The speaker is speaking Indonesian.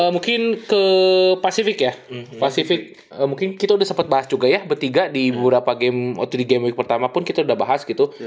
mungkin ke pasifik ya pasifik mungkin kita udah sempat bahas juga ya bertiga di beberapa game waktu di game week pertama pun kita udah bahas gitu